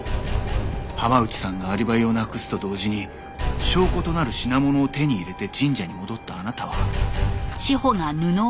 浜内さんのアリバイをなくすと同時に証拠となる品物を手に入れて神社に戻ったあなたは。